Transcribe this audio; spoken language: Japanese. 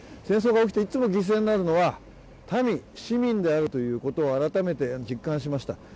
戦争が起きていつも犠牲になるのは民、市民であるということを改めて実感しました。